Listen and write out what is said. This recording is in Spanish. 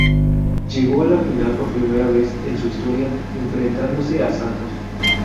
Llegó a la final por primera vez en su historia, enfrentando a Santos.